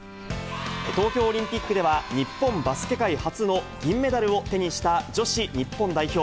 東京オリンピックでは、日本バスケ界初の銀メダルを手にした女子日本代表。